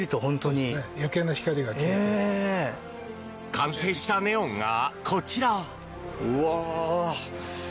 完成したネオンが、こちら！